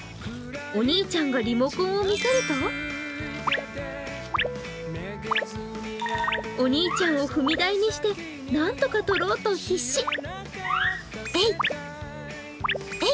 お兄ちゃんがリモコンを見せるとお兄ちゃんを踏み台にしてなんとか取ろうと必死。